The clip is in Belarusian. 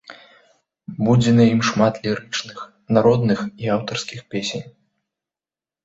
Будзе на ім шмат лірычных, народных і аўтарскіх песень.